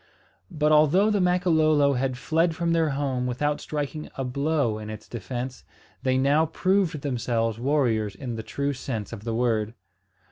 But although the Makololo had fled from their home without striking a blow in its defence, they now proved themselves warriors in the true sense of the word.